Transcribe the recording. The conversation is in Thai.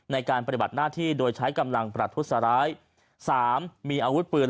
ในการปฏิบัติหน้าที่โดยใช้กำลังประทุษร้ายสามมีอาวุธปืน